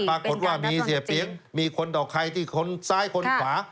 ปรากฏว่ามีเสียเปี๊ยงมีคนดอกไข่ที่คนซ้ายคนขวา